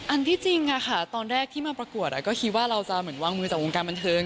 อันที่จริงค่ะตอนแรกที่มาประกวดก็คิดว่าเราจะเหมือนวางมือจากวงการบันเทิง